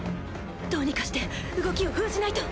どうにかして動きを封じないと！